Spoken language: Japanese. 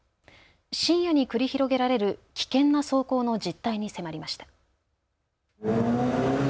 深夜に繰り広げられる危険な走行の実態に迫りました。